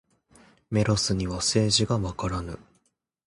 メロスには政治がわからぬ。